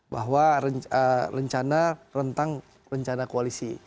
bahwa rencana rentang rencana koalisi